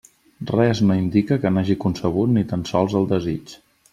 Res no indica que n'hagi concebut ni tan sols el desig.